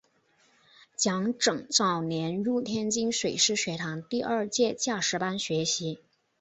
蒋拯早年入天津水师学堂第二届驾驶班学习。